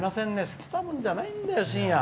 捨てたもんじゃないんだよしんや！